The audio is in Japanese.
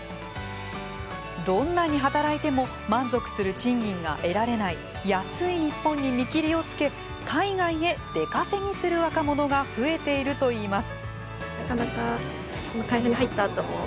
どんなに働いても満足する賃金が得られない「安いニッポン」に見切りをつけ海外へ出稼ぎする若者が増えているといいます。